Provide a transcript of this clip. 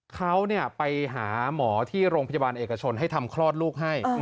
เขาไปหาหมอที่โรงพยาบาลเอกชนให้ทำคลอดลูกให้